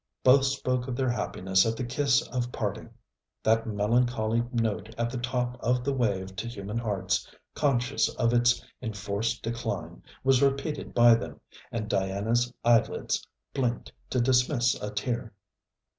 Both spoke of their happiness at the kiss of parting. That melancholy note at the top of the wave to human hearts conscious of its enforced decline was repeated by them, and Diana's eyelids blinked to dismiss a tear.